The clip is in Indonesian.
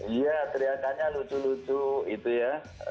iya teriakannya lucu lucu itu ya